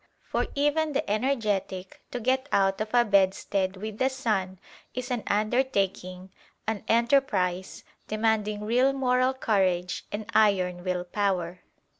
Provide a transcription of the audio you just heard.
For even the energetic to get out of a bedstead "with the sun" is an undertaking, an enterprise, demanding real moral courage and iron will power.